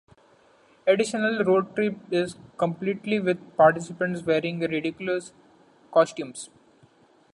Additionally, road trip is completed with participants wearing ridiculous costumes.